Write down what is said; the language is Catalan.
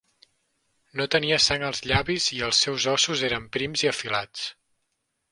No tenia sang als llavis i els seus ossos eren prims i afilats.